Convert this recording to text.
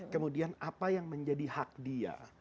kemudian apa yang menjadi hak dia